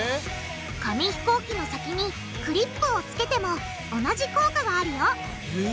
紙ひこうきの先にクリップをつけても同じ効果があるよえ！